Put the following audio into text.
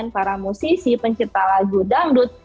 para musisi pencipta lagu dangdut